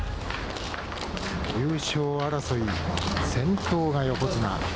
優勝争いの先頭が横綱。